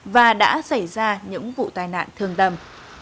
và đã xảy ra những vụ tai nạn thường đầm